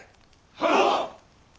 はっ！